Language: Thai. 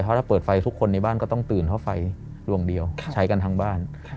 เพราะถ้าเปิดไฟทุกคนในบ้านก็ต้องตื่นเพราะไฟดวงเดียวใช้กันทั้งบ้าน